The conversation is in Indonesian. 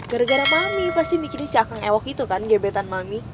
gara gara mami pasti bikin si akang ewok itu kan